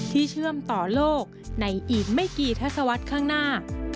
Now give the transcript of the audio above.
เชื่อมต่อโลกในอีกไม่กี่ทัศวรรษข้างหน้า